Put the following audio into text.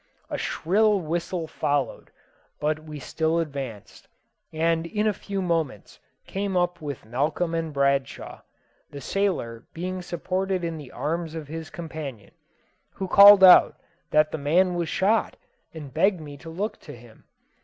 A shrill whistle followed; but we still advanced, and in a few moments came up with Malcolm and Bradshaw, the sailor being supported in the arms of his companion, who called out that the man was shot, and begged me to look to him.